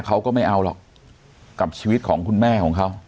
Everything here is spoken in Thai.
เขาก็ไม่เอาหรอกกับชีวิตของคุณแม่ของเขา